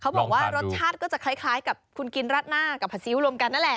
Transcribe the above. บอกว่ารสชาติก็จะคล้ายกับคุณกินราดหน้ากับผัดซิ้วรวมกันนั่นแหละ